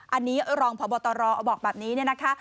อันนี้รองพบรตรบอกแบบนี้นะคะ